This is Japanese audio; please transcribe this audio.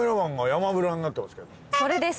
それです。